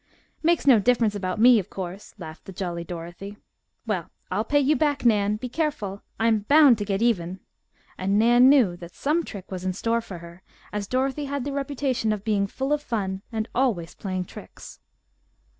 "Makes no difference about me, of course," laughed the jolly Dorothy. "Well, I'll pay you back, Nan. Be careful. I am bound to get even," and Nan knew that some trick was in store for her, as Dorothy had the reputation of being full of fun, and always playing tricks.